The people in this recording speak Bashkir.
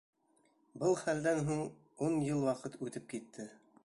Был хәлдән һуң ун йыл ваҡыт үтеп китте.